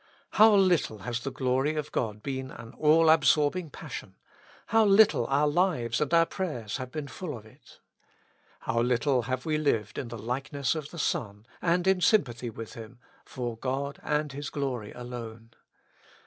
How httle has the glory of God been an all absorbing passion ; how little our lives and our prayers have been full of it. How little have we lived in the likeness of the Son, and in sym pathy with Him — for God and His glory alone.